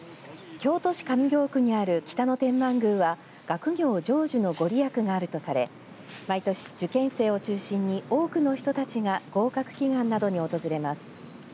京都市上京区にある北野天満宮は学業成就のご利益があるとされ毎年受験生を中心に多くの人たちが合格祈願などに訪れます。